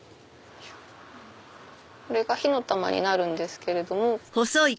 これが火の玉になるんですけれども。